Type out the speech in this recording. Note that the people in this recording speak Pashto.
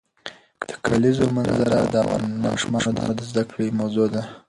د کلیزو منظره د افغان ماشومانو د زده کړې موضوع ده.